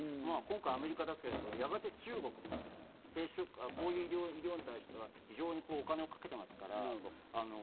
今回、アメリカだけれども、やがて中国、こういう医療に関してはお金をかけていますから。